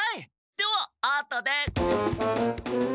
ではあとで！